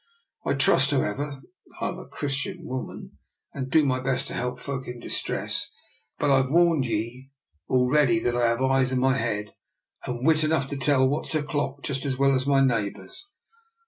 I trust, however, I'm a Christian woman, and do my best to help folk in distress. But I've warned ye already that I've eyes in my head and wit enough to tell what's o'clock just as well as my neighbours.